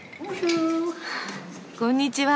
こんにちは。